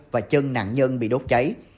và chân nạn nhân bị đốt cháy